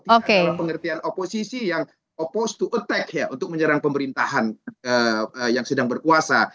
tidak dalam pengertian oposisi yang apost to attack ya untuk menyerang pemerintahan yang sedang berkuasa